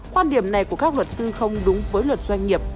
quan điểm này của các luật sư không đúng với luật doanh nghiệp